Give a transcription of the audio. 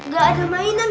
gak ada mainan